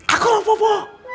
aku lompat bu